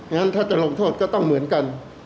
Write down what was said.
งั้นถ้าจะลงโทษก็ต้องเหมือนกัน